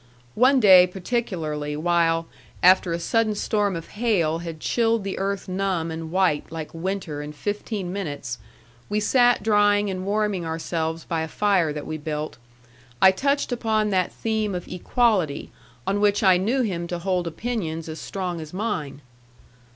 One day particularly while, after a sudden storm of hail had chilled the earth numb and white like winter in fifteen minutes, we sat drying and warming ourselves by a fire that we built, I touched upon that theme of equality on which I knew him to hold opinions as strong as mine.